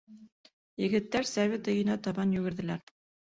Егеттәр совет өйөнә табан йүгерҙеләр.